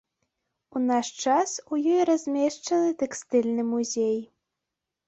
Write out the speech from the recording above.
У наш час у ёй размешчаны тэкстыльны музей.